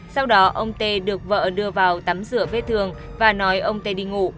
sau đó ông t được vợ đưa vào tắm rửa vết thương và nói ông t đi ngủ